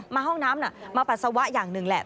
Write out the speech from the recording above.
ห้องน้ำมาปัสสาวะอย่างหนึ่งแหละ